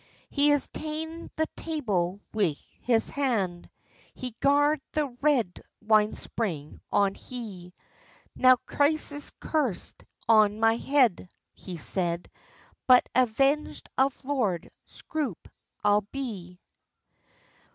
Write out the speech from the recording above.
He has taen the table wi his hand, He garrd the red wine spring on hie; "Now Christ's curse on my head," he said, "But avenged of Lord Scroope I'll be!